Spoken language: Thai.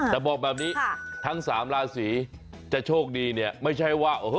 จะบอกแบบนี้ทั้ง๓ลาศรีจะโชคดีเนี่ยไม่ใช่ว่า